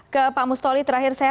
ke pak mustoli terakhir saya